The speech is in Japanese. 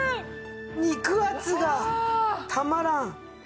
肉厚がたまらん。